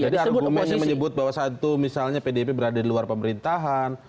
jadi argument yang menyebut bahwa satu misalnya pdp berada di luar pemerintahan